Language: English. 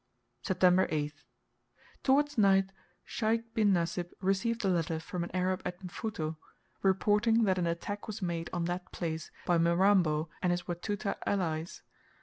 September 8th. Towards night Sheikh bin Nasib received a letter from an Arab at Mfuto, reporting that an attack was made on that place by Mirambo and his Watuta allies.